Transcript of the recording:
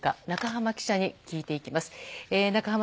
ナカハマ記者に聞いていきます。